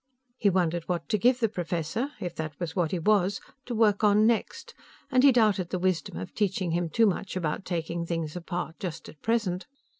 He wondered what to give the professor, if that was what he was, to work on next, and he doubted the wisdom of teaching him too much about taking things apart, just at present.